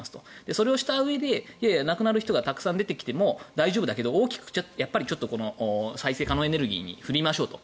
それをしたうえで亡くなる人がたくさん出てきても大丈夫だけど大きく再生可能エネルギーに振りましょうと。